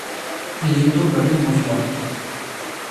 یہ تو بڑے موضوعات ہیں۔